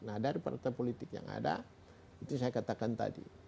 nah dari partai politik yang ada itu saya katakan tadi